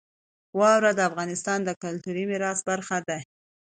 واوره د افغانستان د کلتوري میراث برخه ده.